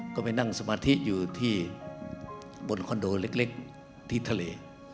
ก็ไปนั่งสมาธิอยู่ที่บนคอนโดเล็กที่ทะเล